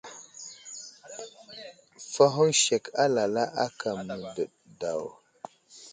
Fahoŋ sek alala aka mə́dəɗ daw.